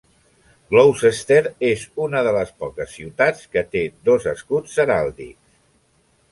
Gloucester és una de les poques ciutats que té dos escuts heràldics.